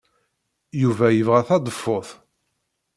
Yuba yebɣa taḍeffut.